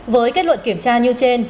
với kết luận kiểm tra như trên